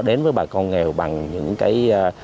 đến với bà con nghèo bằng những cái